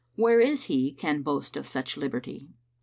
* Where is he can boast of such liberty?